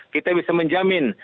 kita bisa menjamin